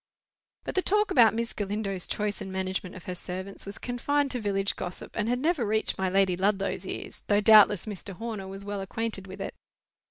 But the talk about Miss Galindo's choice and management of her servants was confined to village gossip, and had never reached my Lady Ludlow's ears, though doubtless Mr. Horner was well acquainted with it.